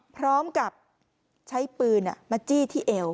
พร้อมกับใช้ปืนมาจี้ที่เอว